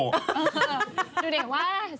ดูเด็กว่า